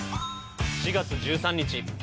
４月１３日。